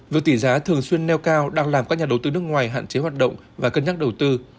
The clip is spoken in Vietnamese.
việc tỷ giá thường xuyên neo cao đang làm các nhà đầu tư nước ngoài hạn chế hoạt động và cân nhắc đầu tư